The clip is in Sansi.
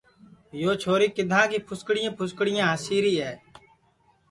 یو چھوری کِدھا کی پُھسکریں پُھسکریں ہاسی ری ہے